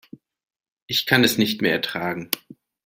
Ich kann es nicht mehr ertragen.